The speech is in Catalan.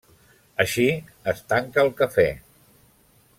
Així es tanca el Cafè.